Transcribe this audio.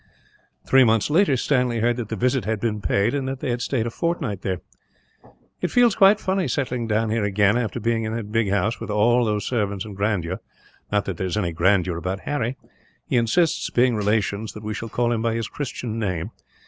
Three months later, Stanley heard that the visit had been paid, and that they had stayed a fortnight there. "It feels quite funny, settling down here again after being in that big house, with all those servants and grandeur; not that there is any grandeur about Harry. He insists, being relations, that we shall call him by his Christian name.